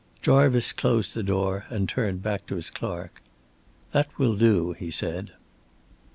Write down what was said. Jarvice closed the door and turned back to his clerk. "That will do," he said.